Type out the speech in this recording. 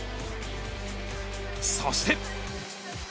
そして。